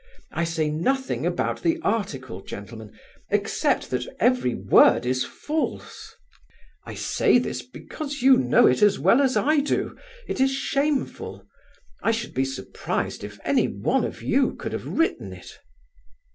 I say nothing about the article, gentlemen, except that every word is false; I say this because you know it as well as I do. It is shameful. I should be surprised if any one of you could have written it."